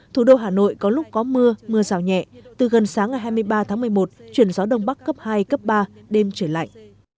thủ đô hà nội có lúc có mưa mưa rào nhẹ từ gần sáng ngày hai mươi ba tháng một mươi một chuyển gió đông bắc cấp hai cấp ba đêm trời lạnh